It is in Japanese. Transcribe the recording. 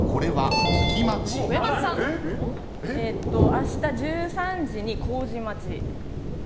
明日、１３時に麹町。